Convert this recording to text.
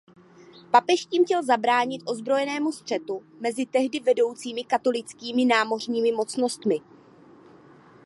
Papež tím chtěl zabránit ozbrojenému střetu mezi tehdy vedoucími katolickými námořními mocnostmi.